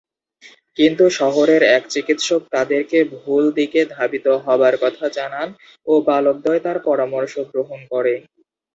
কিন্তু শহরের এক চিকিৎসক তাদেরকে ভুল দিকে ধাবিত হবার কথা জানান ও বালকদ্বয় তার পরামর্শ গ্রহণ করে।